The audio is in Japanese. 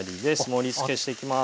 盛りつけしていきます。